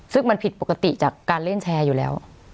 ซึ่งมันผิดปกติจากการเล่นแชร์อยู่แล้ว